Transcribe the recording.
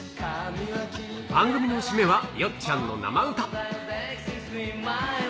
番組の締めは、ヨッちゃんの生歌。